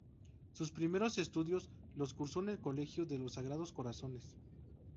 Sus primeros estudios los cursó en el Colegio de los Sagrados Corazones.